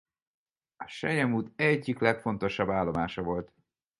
A selyemút egyik legfontosabb állomása volt.